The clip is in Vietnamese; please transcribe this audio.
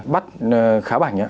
bắt khá bảnh